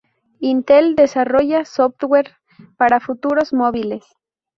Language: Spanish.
Intel desarrolla software para futuros móviles.